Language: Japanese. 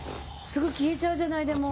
すぐ消えちゃうじゃない、でも。